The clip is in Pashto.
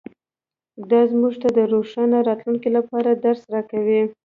دا موږ ته د روښانه راتلونکي لپاره درس راکوي